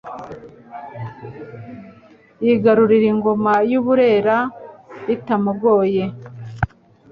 yigarurira Ingoma y' u Burera bitamugoye.